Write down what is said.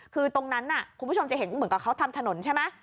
คือตรงนั้นคุณผู้ชมจะเห็นเหมือนกับเขาทำถนนใช่ไหม